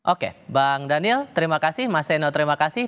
oke bang daniel terima kasih mas seno terima kasih